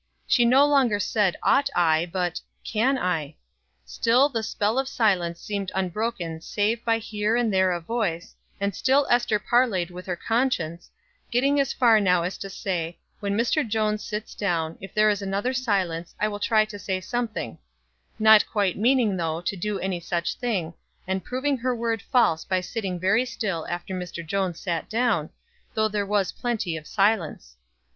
She no longer said, "Ought I?" but, "Can I?" Still the spell of silence seemed unbroken save by here and there a voice, and still Ester parleyed with her conscience, getting as far now as to say: "When Mr. Jones sits down, if there is another silence, I will try to say something" not quite meaning, though, to do any such thing, and proving her word false by sitting very still after Mr. Jones sat down, though there was plenty of silence.